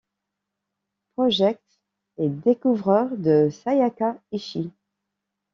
Project et découvreur de Sayaka Ichii.